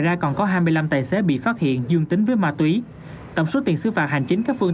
ra còn có hai mươi năm tài xế bị phát hiện dương tính với ma túy tổng số tiền xứ phạt hành chính các phương